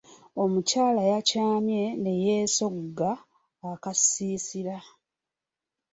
Omukyala yakyamye ne yeesogga akasiisira.